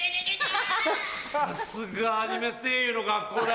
さすがアニメ声優の学校だ！